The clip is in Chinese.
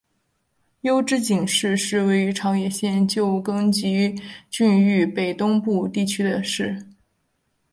筱之井市是位于长野县旧更级郡域北东部地区的市。